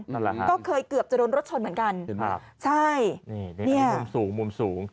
นั่นแหละครับใช่นี่นี่มุมสูง